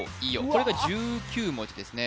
これが１９文字ですね